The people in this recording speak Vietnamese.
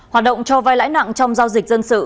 hoạt động cho vai lãi nặng trong giao dịch dân sự